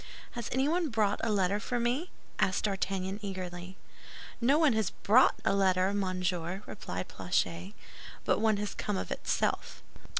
"Has anyone brought a letter for me?" asked D'Artagnan, eagerly. "No one has brought a letter, monsieur," replied Planchet; "but one has come of itself."